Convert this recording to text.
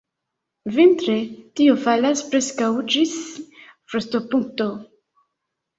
Vintre tio falas preskaŭ ĝis frostopunkto.